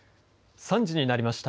３時になりました。